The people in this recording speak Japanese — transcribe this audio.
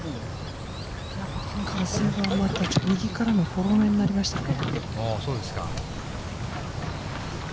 風が右からのフォローになりましたね。